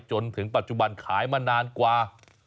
จนถึงปัจจุบันขายมานานกว่า